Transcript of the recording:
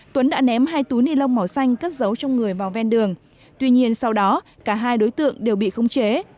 tuấn đã ném hai túi ni lông màu xanh cất giấu trong người vào ven đường tuy nhiên sau đó cả hai đối tượng đều bị khống chế